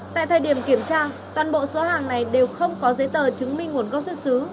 tại thời điểm kiểm tra toàn bộ số hàng này đều không có giấy tờ chứng minh nguồn gốc xuất xứ